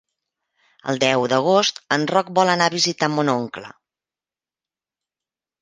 El deu d'agost en Roc vol anar a visitar mon oncle.